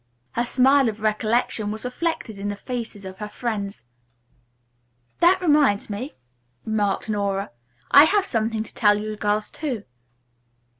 Her smile of recollection was reflected in the faces of her friends. "That reminds me," remarked Nora, "I have something to tell you girls too."